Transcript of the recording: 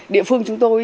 địa phương chúng tôi